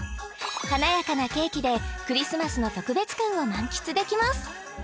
華やかなケーキでクリスマスの特別感を満喫できます